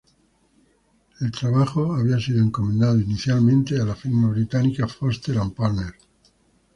El trabajo había sido encomendado inicialmente a la firma británica Foster and Partners.